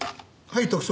はい。